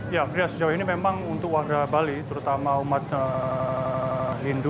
ya fria sejauh ini memang untuk warga bali terutama umat hindu